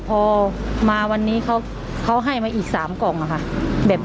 พอมาวันนี้เขาให้มาอีก๓กล่องอะค่ะ